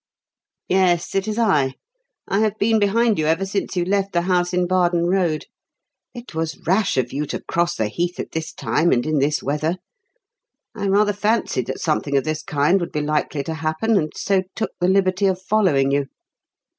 "Yes, it is I. I have been behind you ever since you left the house in Bardon Road. It was rash of you to cross the heath at this time and in this weather. I rather fancied that something of this kind would be likely to happen, and so took the liberty of following you."